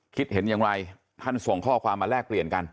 คิดเห็นอย่างไรท่านส่งข้อความมาแลกเปลี่ยนกัน